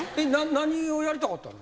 何をやりたかったの？